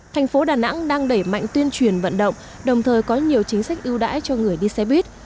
thành phố đà nẵng đang đẩy mạnh tuyên truyền vận động đồng thời có nhiều chính sách ưu đãi cho người đi xe buýt